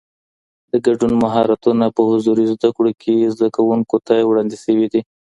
د ګډون مهارتونه په حضوري زده کړه کي زده کوونکو ته وړاندې سوي دي.